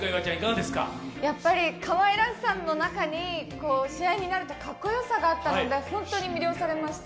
やっぱりかわいらしさの中に、試合になるとかっこよさがあったので本当に魅了されました。